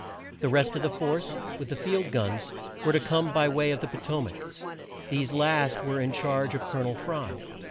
The rest of the force, with the field guns, were to come by way of the Po to mac. These last were in charge of Col o nel Fry.